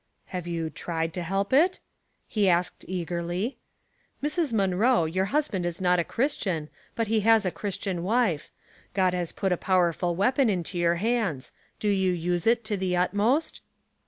" Have you tried to help it ?" he asked, eager ly^ " Mrs. Munroe, your husband is not a Chris tian, but he has a Christian wife. God has put a powerful weapon into your hands ; do you use it to the utmost?